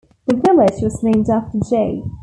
The village was named after J.